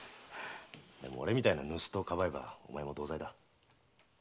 でも俺みたいな盗人をかばえばお前も同罪だ。